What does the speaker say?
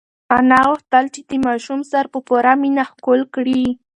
انا غوښتل چې د ماشوم سر په پوره مینه ښکل کړي.